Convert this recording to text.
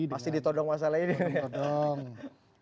pasti ditodong masa lain ya